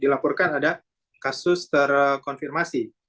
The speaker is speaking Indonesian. dilaporkan ada kasus terkonfirmasi